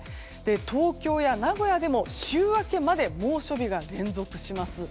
東京や名古屋でも週明けまで猛暑日が連続します。